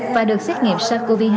và được xét nghiệm sars cov hai